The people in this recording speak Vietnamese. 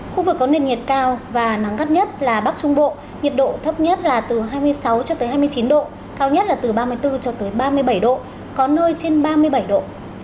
khu vực có nền nhiệt cao và nắng gắt nhất là bắc trung bộ nhiệt độ thấp nhất là từ hai mươi sáu cho tới hai mươi chín độ cao nhất là từ ba mươi bốn cho tới ba mươi bảy độ có nơi trên ba mươi bảy độ